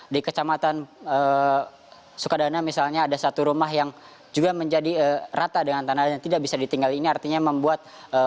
di kecamatan sukadana misalnya ada satu rumah yang juga menjadi rata dengan tanah yang tidak bisa ditinggal ini artinya membuat